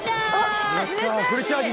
あっフルチャージ！